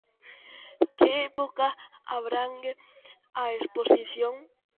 Que épocas abrangue a exposición?